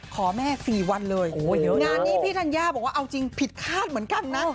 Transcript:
ขอแม่๔วันเลยงานนี้พี่ธัญญาบอกว่าเอาจริงผิดคาดเหมือนกันนะ